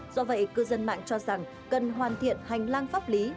do vậy cư dân mạng cho rằng cần hoàn thiện hành lang pháp lý